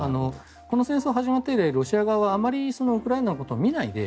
この戦争が始まって以来ロシア側はあまりウクライナのことを見ないで